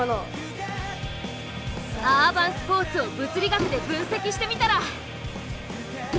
アーバンスポーツを物理学で分析してみたら。